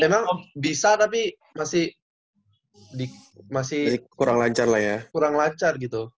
emang bisa tapi masih masih kurang lancar gitu